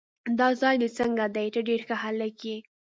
دا ځای دې څنګه دی؟ ته ډېر ښه هلک یې.